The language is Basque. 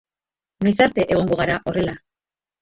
Noiz arte egongo gara horrela?